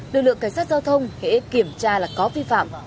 đội lượng cảnh sát giao thông hệ kiểm tra là có vi phạm